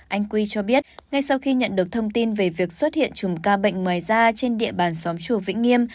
anh quy cho biết ngay sau khi nhận được thông tin về việc xuất hiện chùm ca bệnh ngoài da trên địa bàn xóm chùa vĩnh nghiêm